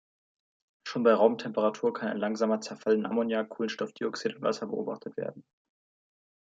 Schon bei Raumtemperatur kann ein langsamer Zerfall in Ammoniak, Kohlenstoffdioxid und Wasser beobachtet werden.